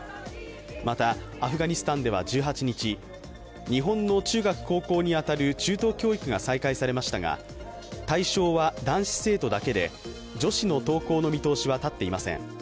またアフガニスタンでは１８日、日本の中学・高校に当たる中等教育が再開されましたが、対象は男子生徒だけで、女子の登校の見通しは立っていません。